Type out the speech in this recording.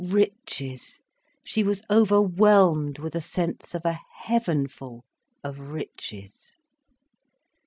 Riches! She was overwhelmed with a sense of a heavenful of riches.